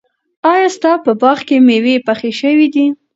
ایا ستا په باغ کې مېوې پخې شوي دي؟